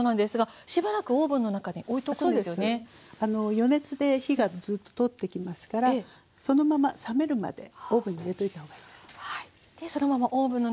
予熱で火がずっと通ってきますからそのまま冷めるまでオーブンに入れておいた方がいいです。